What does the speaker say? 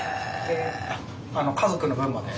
家族の分まで。